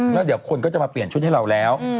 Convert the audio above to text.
แล้วเดี๋ยวคนก็จะมาเปลี่ยนชุดให้เราแล้ว